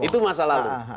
itu masa lalu